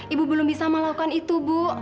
ibu belum bisa melakukan itu bu